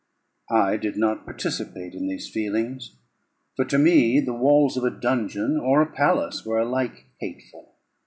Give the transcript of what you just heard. I did not participate in these feelings; for to me the walls of a dungeon or a palace were alike hateful.